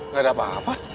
gak ada apa apa